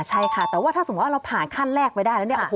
ใช่ค่ะแต่ว่าถ้าสมมุติว่าเราผ่านขั้นแรกไปได้แล้วเนี่ย